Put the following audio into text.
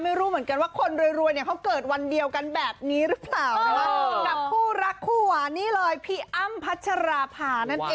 ไม่รู้เหมือนกันว่าคนรวยเขาเกิดวันเดียวกันแบบเนี้ยหรือเปล่า